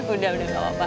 udah udah gak apa apa